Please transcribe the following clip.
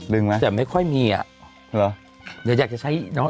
ดึงไหมแต่ไม่ค่อยมีอ่ะเดี๋ยวอยากจะใช้อีกเนอะ